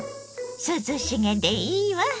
涼しげでいいわ。